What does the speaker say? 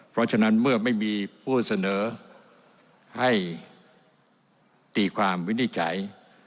เพราะฉะนั้นเมื่อไม่มีผู้เสนอให้ตีความวินิจฉัย